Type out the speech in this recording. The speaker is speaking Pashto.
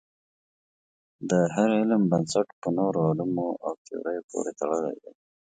د هر علم بنسټ په نورو علومو او تیوریو پورې تړلی دی.